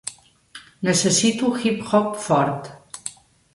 Necessito hip-hop fort.